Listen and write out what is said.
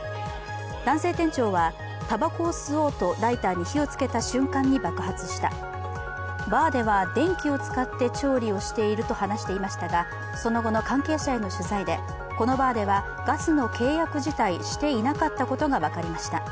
男性店長はたばこを吸おうとライターに火をつけた瞬間に爆発したバーでは電気を使って調理をしていると話していましたがその後の関係者への取材で、このバーではガスの契約自体していなかったことが分かりました。